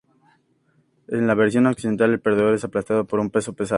En la versión occidental el perdedor es aplastado por un peso pesado.